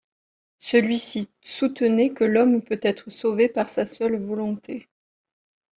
Celui-ci soutenait que l’homme peut être sauvé par sa seule volonté.